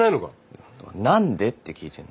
いやだから何でって聞いてんの。